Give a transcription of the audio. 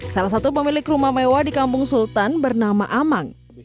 salah satu pemilik rumah mewah di kampung sultan bernama aman